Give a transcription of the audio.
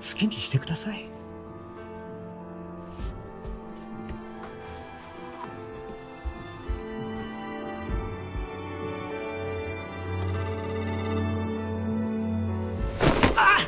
好きにしてくださいあっ！！